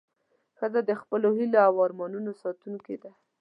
ښځه د خپلو هیلو او ارمانونو ساتونکې ده.